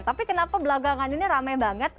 tapi kenapa belagangan ini ramai banget